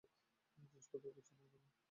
জিনিসপত্র গুছিয়ে নাও, কেমন?